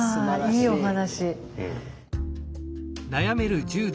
いいお話。